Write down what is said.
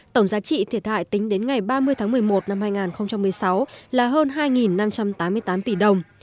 tổng giá trị thiệt hại tính đến ngày ba mươi tháng một mươi một năm hai nghìn một mươi sáu là hơn hai năm trăm tám mươi tám tỷ đồng